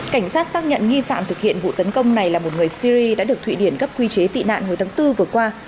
cảnh sát xác nhận nghi phạm thực hiện vụ tấn công này là một người syri đã được thụy điển cấp quy chế tị nạn hồi tháng bốn vừa qua